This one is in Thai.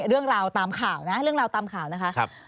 เรื่องราวตามข่าวนะครับ